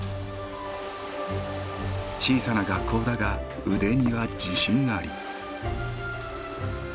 小さな学校だが腕には自信あり。